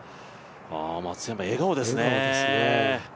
あ、松山、笑顔ですね。